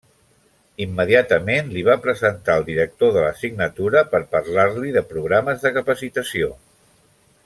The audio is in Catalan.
Immediatament li va presentar al director de la signatura per parlar-li de programes de capacitació.